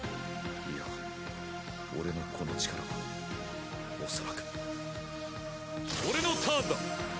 いや俺のこの力はおそらく俺のターンだ。